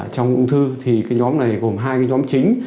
trong ung thư thì nhóm này gồm hai nhóm chính